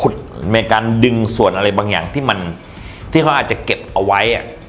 ในการดึงส่วนอะไรบางอย่างที่มันที่เขาอาจจะเก็บเอาไว้